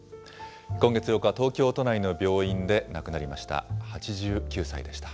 今月８日、東京都内の病院で亡くなりました。